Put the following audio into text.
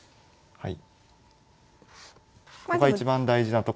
はい。